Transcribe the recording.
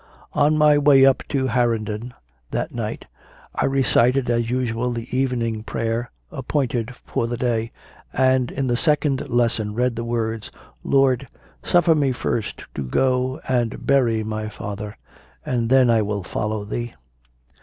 On my way up to 40 CONFESSIONS OF A CONVERT Hawarden that night I recited as usual the Evening Prayer appointed for the day, and in the Second Lesson read the words: "Lord, suffer me first to go and bury my father and then I will follow Thee."